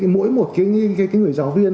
mỗi một cái người giáo viên